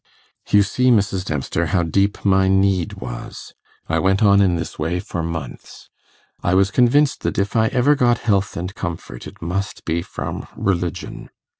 'You see, Mrs. Dempster, how deep my need was. I went on in this way for months. I was convinced that if I ever got health and comfort, it must be from religion.